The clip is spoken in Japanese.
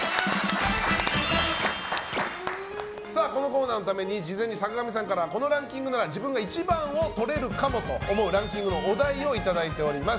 このコーナーのために事前に坂上さんからこのランキングなら自分が一番を取れるかもと思うランキングのお題をいただいております。